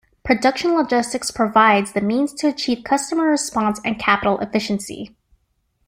Production logistics provides the means to achieve customer response and capital efficiency.